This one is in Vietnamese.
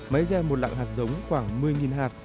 máy gieo một lạng hạt giống khoảng một mươi hạt